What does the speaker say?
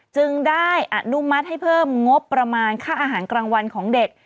จึงได้อนุมัติให้เพิ่มงบประมาณค่าอาหารกลางวันของเด็ก